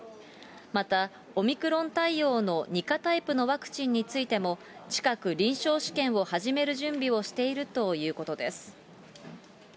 またオミクロン対応の２価タイプのワクチンについても、近く、臨床試験を始める準備をしているということです。